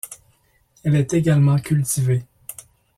Elle est également cultivée.